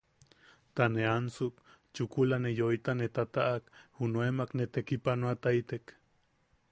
Ta ne ansuk, chukula ne yoita ne tataʼak junaemak ne tekipanoataitek.